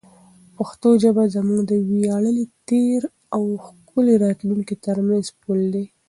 پښتو ژبه زموږ د ویاړلي تېر او ښکلي راتلونکي ترمنځ پل دی.